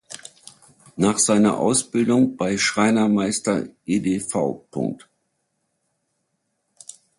Nach seiner Ausbildung bei Schreinermeister Edv.